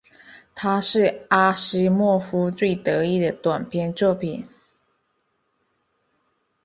它是阿西莫夫最得意的短篇作品。